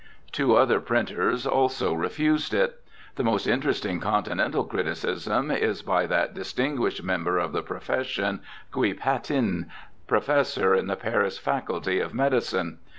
Two other printers also re fused it. The most interesting continental criticism is by that distinguished member of the profession, Gui Patin, professor in the Paris Faculty of Medicine.